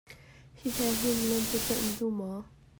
Hi he hin lentecalh na duh maw?